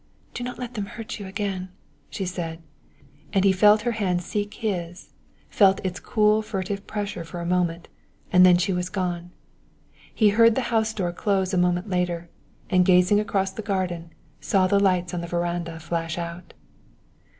"Do not let them hurt you again " she said; and he felt her hand seek his, felt its cool furtive pressure for a moment; and then she was gone. He heard the house door close a moment later, and gazing across the garden, saw the lights on the veranda flash out.